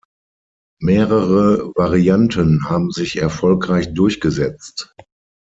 Mehrere Varianten haben sich erfolgreich durchgesetzt.